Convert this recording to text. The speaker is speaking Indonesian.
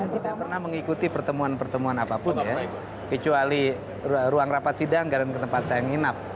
tidak pernah mengikuti pertemuan pertemuan apapun ya kecuali ruang rapat sidang garam ke tempat saya nginap